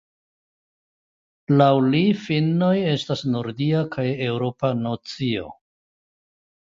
Laŭ li finnoj estas nordia kaj eŭropa nacio.